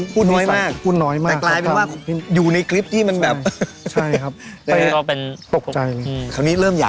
เพื่อนในทีมชาตินะ